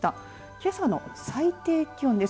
けさの最低気温です。